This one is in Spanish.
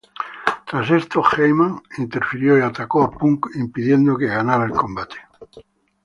Tras esto, Heyman interfirió y atacó a Punk, impidiendo que ganara el combate.